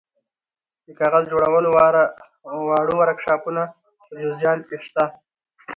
د کاغذ جوړولو واړه ورکشاپونه په جوزجان کې شته.